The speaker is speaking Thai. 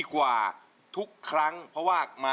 ไม่ใช้ค่ะ